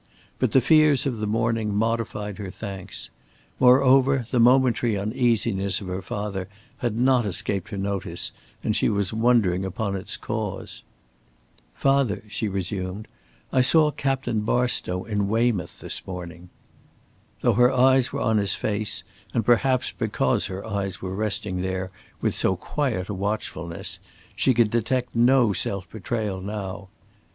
But the fears of the morning modified her thanks. Moreover the momentary uneasiness of her father had not escaped her notice and she was wondering upon its cause. "Father," she resumed, "I saw Captain Barstow in Weymouth this morning." Though her eyes were on his face, and perhaps because her eyes were resting there with so quiet a watchfulness, she could detect no self betrayal now.